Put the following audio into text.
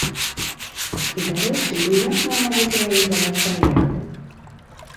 І, дарэчы, ніяк не могуць рэалізаваць праект.